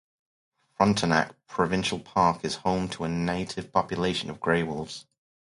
Frontenac Provincial Park is home to a native population of grey wolves.